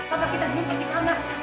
bagaimana kita ngumpet di kamar